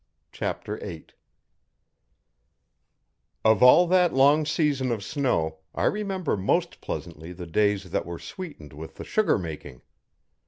Chapter 8 Of all that long season of snow, I remember most pleasantly the days that were sweetened with the sugar making.